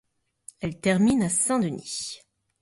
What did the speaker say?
Elle termine à Saint-Denis.